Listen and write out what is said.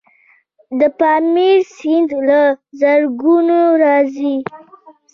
د پامیر سیند له زرکول راځي